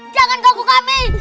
jangan kaku kami